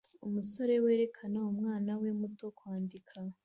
umusore werekana umwana we muto kwandika